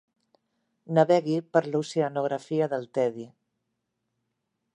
Navegui per l'oceanografia del tedi.